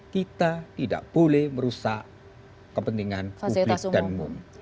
kita tidak boleh merusak kepentingan publik dan umum